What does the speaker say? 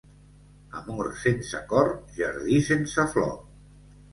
Amor sense cor, jardí sense flor.